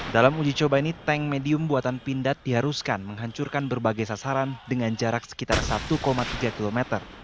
dalam uji coba ini tank medium buatan pindad diharuskan menghancurkan berbagai sasaran dengan jarak sekitar satu tiga km